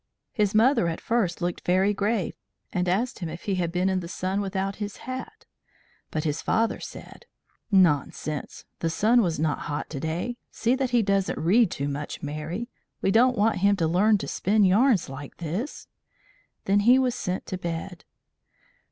His mother at first looked very grave, and asked him if he had been in the sun without his hat, but his father said: "Nonsense! the sun was not hot to day. See that he doesn't read too much, Mary. We don't want him to learn to spin yarns like this." Then he was sent to bed.